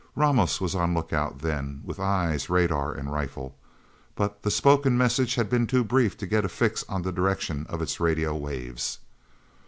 Ramos was on lookout, then, with eyes, radar and rifle. But the spoken message had been too brief to get a fix on the direction of its radio waves.